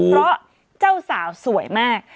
เพราะเจ้าสาวสวยมาก